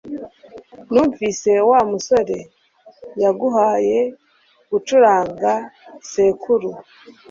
Numvise Wa musore yaguhaye gucuranga sekuru